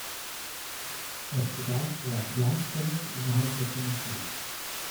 Das bedarf der Klarstellung innerhalb der Kommission.